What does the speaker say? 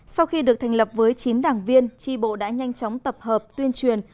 sau khi được thành lập với chín đảng viên tri bộ đã nhanh chóng tập hợp tuyên truyền